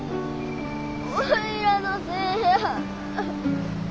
おいらのせいや。